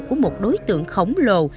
của một đối tượng khổng lồ